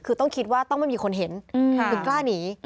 คือต้องคิดว่าต้องไม่มีคนเห็นถึงกล้าหนี